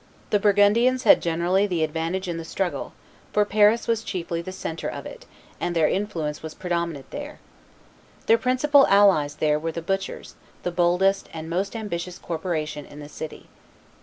The Burgundians had generally the advantage in the struggle, for Paris was chiefly the centre of it, and their influence was predominant there. Their principal allies there were the butchers, the boldest and most ambitious corporation in the city.